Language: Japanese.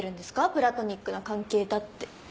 プラトニックな関係だって。